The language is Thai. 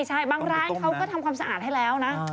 ใช่บางร้านเขาก็ทำความสะอาดให้แล้วนะ